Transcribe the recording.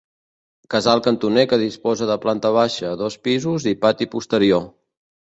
Casal cantoner que disposa de planta baixa, dos pisos i pati posterior.